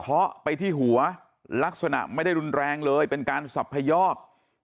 เพราะไปที่หัวลักษณะไม่ได้รุนแรงเลยเป็นการสับพยอก